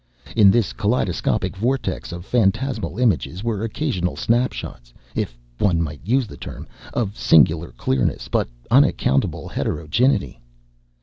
In this kaleidoscopic vortex of phantasmal images were occasional snap shots, if one might use the term, of singular clearness but unaccountable heterogeneity.